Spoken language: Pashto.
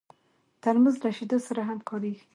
ترموز له شیدو سره هم کارېږي.